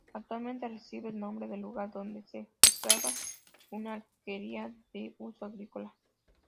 Actualmente recibe el nombre del lugar donde se enclava, una alquería de uso agrícola.